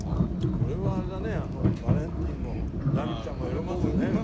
これはあれだねバレンティンもラミちゃんも喜ぶね。